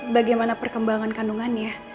bagaimana perkembangan kandungannya